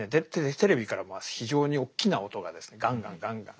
テレビから非常に大きな音がですねガンガンガンガン